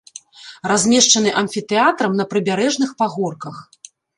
Размешчаны амфітэатрам на прыбярэжных пагорках.